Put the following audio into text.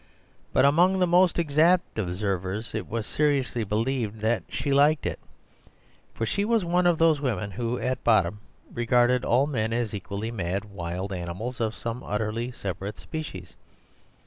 But among the most exact observers it was seriously believed that she liked it. For she was one of those women who at bottom regard all men as equally mad, wild animals of some utterly separate species.